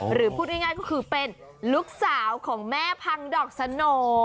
หรือพูดง่ายก็คือเป็นลูกสาวของแม่พังดอกสโน